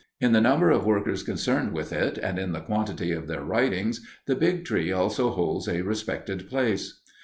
In the number of workers concerned with it and in the quantity of their writings, the Big Tree also holds a respected place.